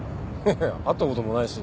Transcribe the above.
いや会ったこともないし